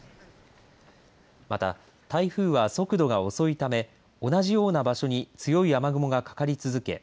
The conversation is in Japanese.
また、台風は速度が遅いため同じような場所に強い雨雲がかかり続け